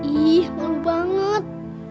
ih malu banget